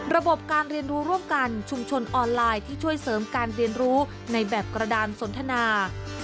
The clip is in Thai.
ระบบการเรียนรู้ร่วมกันชุมชนออนไลน์ที่ช่วยเสริมการเรียนรู้ในแบบกระดานสนทนา